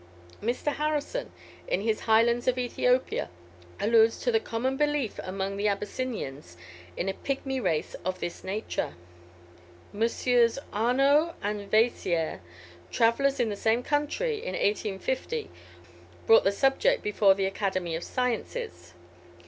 Mr. Harrison, in his "Highlands of Ethiopia," alludes to the common belief among the Abyssinians, in a pygmy race of this nature. MM. Arnault and Vayssière, travellers in the same country, in 1850, brought the subject before the Academy of Sciences.